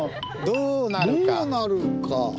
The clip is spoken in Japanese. どうなるか。